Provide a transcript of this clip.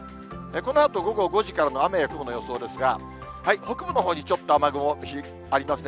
このあと午後５時からの雨や雲の予想ですが、北部のほうにちょっと雨雲ありますね。